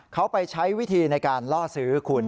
เขาไปใช้วิธีในการล่อซื้อคุณ